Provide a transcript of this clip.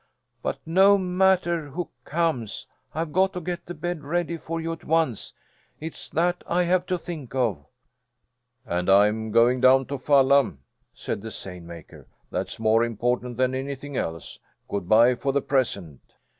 "But no matter who comes I've got to get the bed ready for you at once. It's that I have to think of." "And I'm going down to Falla," said the seine maker. "That's more important than anything else. Good bye for the present."